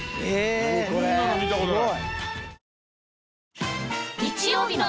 こんなの見た事ない！